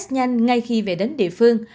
ngay khi về đến địa phương